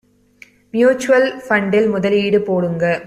mutual ஃபண்டில் முதலீடு போடுங்க